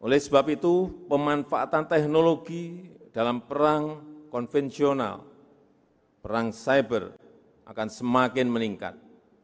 oleh sebab itu pemanfaatan teknologi dalam perang konvensional perang cyber akan semakin meningkat